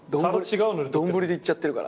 丼でいっちゃってるから。